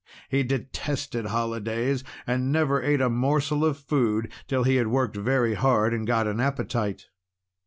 He detested holidays, and never ate a morsel of food till he had worked very hard and got an appetite.